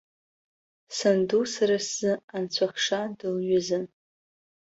Санду сара сзы анцәахша дылҩызан.